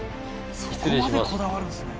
そこまでこだわるんですね。